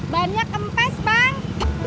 bannya kempes bang